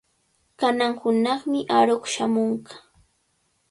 Kanan hunaqmi aruq shamunqa.